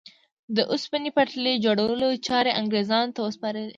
د اوسپنې پټلۍ جوړولو چارې انګرېزانو ته وسپارلې.